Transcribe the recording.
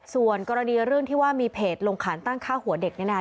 ส่วนกรณีเรื่องที่ว่ามีเพจลงขานตั้งฆ่าหัวเด็กเนี่ยนะคะ